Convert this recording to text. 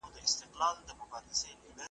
رسوي مو زیار او صبر تر هدف تر منزلونو .